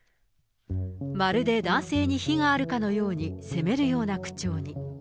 まるで男性に非があるかのように、責めるような口調に。